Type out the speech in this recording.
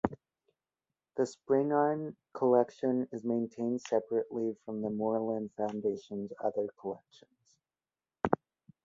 The Spingarn Collection is maintained separately from the Moorland Foundation's other collections.